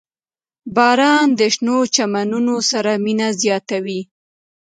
• باران د شنو چمنونو سره مینه زیاتوي.